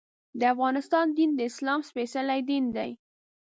د افغانستان دین د اسلام سپېڅلی دین دی.